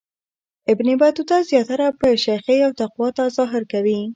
ابن بطوطه زیاتره په شیخی او تقوا تظاهر کوي.